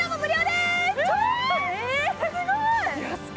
すごーい！